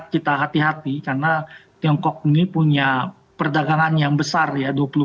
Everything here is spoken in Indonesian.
kita hati hati karena tiongkok ini punya perdagangan yang besar ya